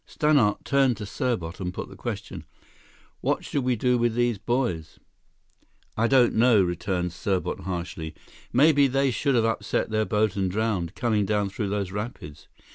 Stannart turned to Serbot and put the question: "What should we do with these boys?" "I don't know," returned Serbot harshly. "Maybe they should have upset their boat and drowned, coming down through those rapids.